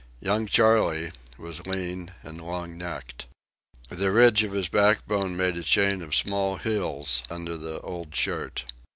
Young Charley was lean and long necked. The ridge of his backbone made a chain of small hills under the old shirt.